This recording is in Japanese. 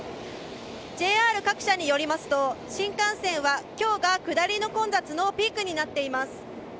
ＪＲ各社によりますと、新幹線は今日が下りの混雑のピークになっています。